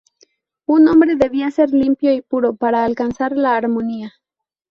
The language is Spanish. Un hombre debía ser limpio y puro para alcanzar la armonía.